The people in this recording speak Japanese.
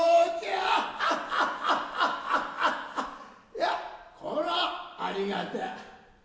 いやこらありがてァ。